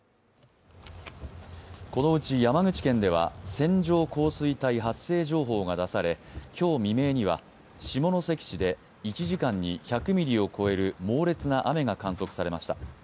このうち山口県では線状降水帯発生情報が出され今日未明には下関市で１時間に１００ミリを超える猛烈な雨が観測されました。